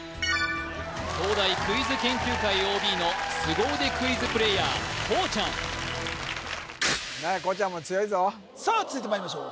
東大クイズ研究会ＯＢのすご腕クイズプレイヤーこうちゃんこうちゃんも強いぞさあ続いてまいりましょう